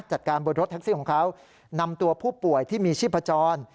จัดการบนรถแท็กซี่ของเขานำตัวผู้ป่วยที่มีชีพจร